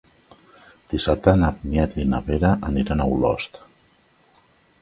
Dissabte na Vinyet i na Vera aniran a Olost.